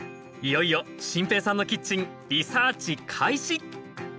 いよいよ心平さんのキッチンリサーチ開始！